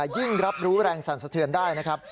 ยิ่งรับรู้แรงสั่นสะเทือนได้นะครับ